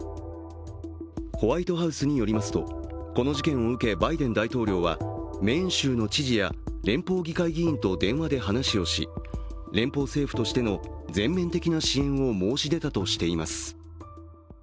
ホワイトハウスによりますと、この事件を受けバイデン大統領はメーン州の知事や連邦議会議員と話をし、連邦政府としての全面的な支援を申し出たとしています。